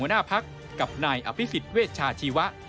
หัวหน้าภักษ์กับนายอภิษฐ์เวชชาชีวะ